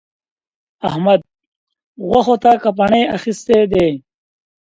احمد؛ غوښو ته کپڼۍ اخيستی دی.